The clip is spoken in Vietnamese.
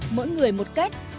mỗi người một cách